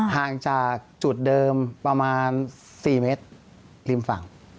ห่างจากจุดเดิมประมาณ๔เมตรริมฝั่ง